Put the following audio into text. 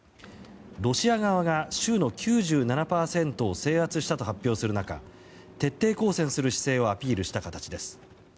ロシア側が州の９７％を制圧したと発表する中徹底抗戦する姿勢をアピールした形です。